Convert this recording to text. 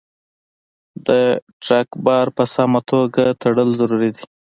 د ټرک بار په سمه توګه تړل ضروري دي.